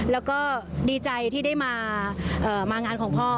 แล้วก็ดีใจที่ได้มางานของพ่อ